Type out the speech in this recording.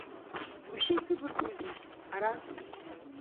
Ушьҭа исыбаргәузеи, Ҳараз!